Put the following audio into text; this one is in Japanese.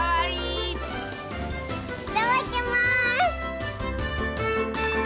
いただきます！